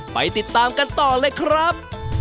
ไปติดตามกันต่อเลยครับ